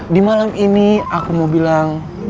di malam ini aku mau bilang